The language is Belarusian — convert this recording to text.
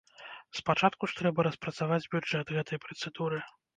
Спачатку ж трэба распрацаваць бюджэт гэтай працэдуры.